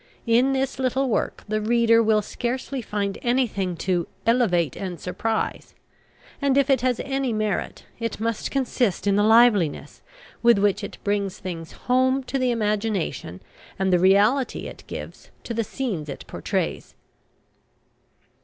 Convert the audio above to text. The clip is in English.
In this little work the reader will scarcely find anything to "elevate and surprise;" and, if it has any merit, it must consist in the liveliness with which it brings things home to the imagination, and the reality it gives to the scenes it pourtrays.